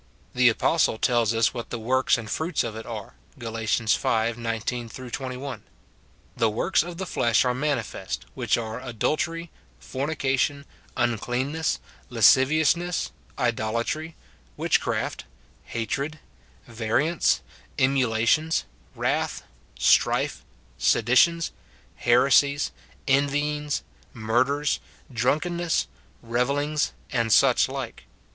The apostle tells us what the works and fruits of it are. Gal. v. 19 21, " The works of the flesh are manifest, which are adultery, fornication, un cleanness, lasciviousness, idolatry, witchcraft, hatred, variance, emulations, wrath, strife, seditions, heresies, envyings, murders, drunkenness, revellings, and such like."